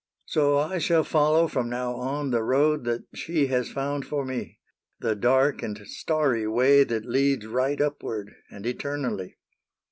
" So I shall follow from now on The road that she has found for me : The dark and starry way that leads Right upward, and eternally.